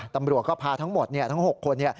ตำรวจก็พาทั้งหมดทั้ง๖คน